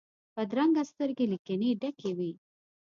بدرنګه سترګې له کینې ډکې وي